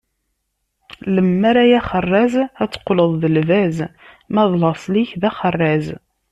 Lemmer ay axerraz ad teqleḍ d lbaz, ma d laṣel-ik d axerraz.